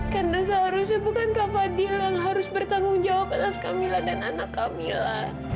kan dosa harusnya bukan kak fadil yang harus bertanggung jawab atas kamila dan anak kamila